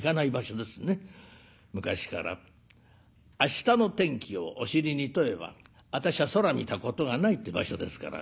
昔から明日の天気をお尻に問えば私は空見たことがないって場所ですから。